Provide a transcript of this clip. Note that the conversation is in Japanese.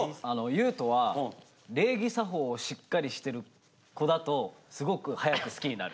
裕翔は礼儀作法をしっかりしてる子だとすごく早く好きになる。